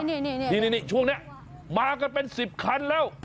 นี่ช่วงนี้มากันเป็น๑๐คันแล้ว